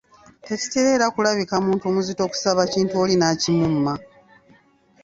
Tekitera era kulabika muntu muzito kusaba kintu oli n’akimumma.